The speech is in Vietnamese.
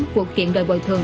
cuộc kiện đòi bồi thường